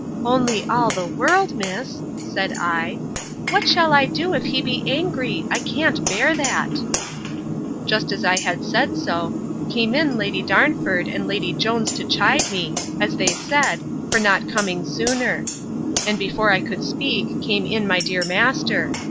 —Only all the world, miss! said I.—What shall I do, if he be angry? I can't bear that. Just as I had said so, came in Lady Darnford and Lady Jones to chide me, as they said, for not coming sooner. And before I could speak, came in my dear master.